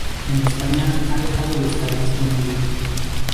En España ha dejado de estar disponible.